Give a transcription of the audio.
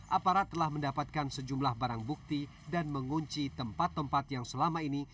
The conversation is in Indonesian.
aparat telah mendapatkan sejumlah barang bukti dan mengunci tempat tempat yang selama ini